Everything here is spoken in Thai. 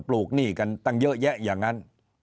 ลูกหนี้กันตั้งเยอะแยะอย่างนั้น